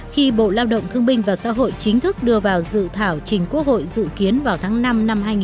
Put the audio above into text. khi bộ lao động thương minh và xã hội chính thức đưa vào dự thảo chính quốc hội dự kiến vào tháng năm năm hai nghìn một mươi chín